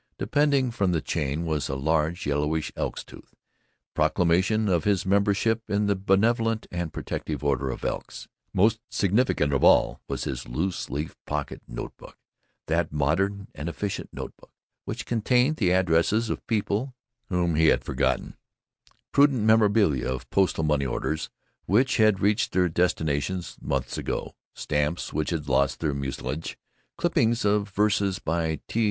Depending from the chain was a large, yellowish elk's tooth proclamation of his membership in the Brotherly and Protective Order of Elks. Most significant of all was his loose leaf pocket note book, that modern and efficient note book which contained the addresses of people whom he had forgotten, prudent memoranda of postal money orders which had reached their destinations months ago, stamps which had lost their mucilage, clippings of verses by T.